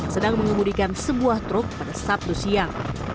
sedang mengemudikan sebuah truk pada sabtu siang